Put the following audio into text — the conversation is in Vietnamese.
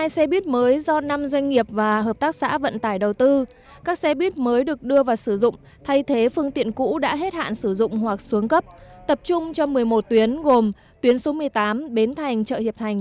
một mươi xe buýt mới do năm doanh nghiệp và hợp tác xã vận tải đầu tư các xe buýt mới được đưa vào sử dụng thay thế phương tiện cũ đã hết hạn sử dụng hoặc xuống cấp tập trung cho một mươi một tuyến gồm tuyến số một mươi tám bến thành chợ hiệp thành